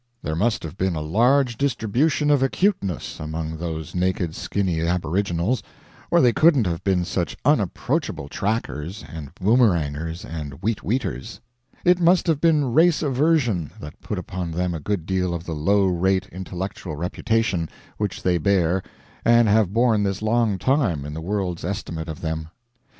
There must have been a large distribution of acuteness among those naked skinny aboriginals, or they couldn't have been such unapproachable trackers and boomerangers and weet weeters. It must have been race aversion that put upon them a good deal of the low rate intellectual reputation which they bear and have borne this long time in the world's estimate of them.